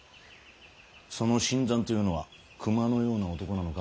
その新参というのは熊のような男なのか。